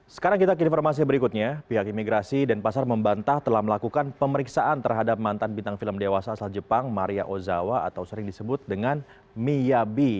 sekarang kita ke informasi berikutnya pihak imigrasi dan pasar membantah telah melakukan pemeriksaan terhadap mantan bintang film dewasa asal jepang maria ozawa atau sering disebut dengan miyabi